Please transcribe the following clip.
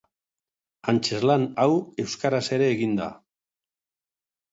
Antzezlan hau euskaraz ere egin da.